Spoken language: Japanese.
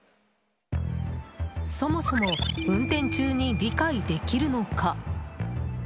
そもそも、運転中に理解できるのか。